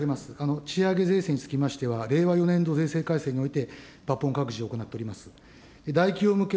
賃上げ税制につきましては、令和４年度税制改正において、抜本、各自行っております。